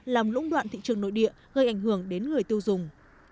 làm lũng đoạn thị trường nội địa gây ảnh hưởng đến người tiêu dùng